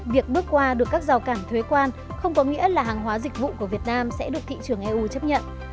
việc bước qua được các rào cản thuế quan không có nghĩa là hàng hóa dịch vụ của việt nam sẽ được thị trường eu chấp nhận